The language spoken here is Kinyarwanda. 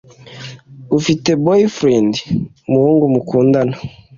ufite boyfriend(umuhungu mukundana)